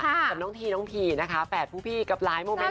กับน้องทีน้องพีนะคะแปดพวกพี่กับหลายโมเมนต์น่ารัก